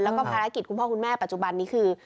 แล้วก็ภารกิจคุณพ่อคุณแม่ปัจจุบันนี้คือ